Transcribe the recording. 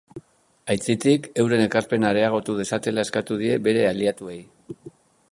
Aitzitik, euren ekarpena areagotu dezatela eskatu die bere aliatuei.